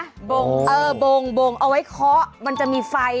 โบ่งเอาไว้เคาะมันจะมีไฟ